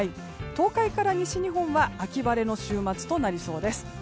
東海から西日本は秋晴れの週末となりそうです。